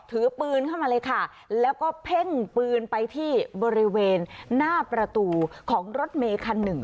ถือปืนเข้ามาเลยค่ะแล้วก็เพ่งปืนไปที่บริเวณหน้าประตูของรถเมย์คันหนึ่ง